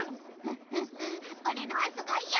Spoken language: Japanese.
フッフッフッ俺のはすごいよ。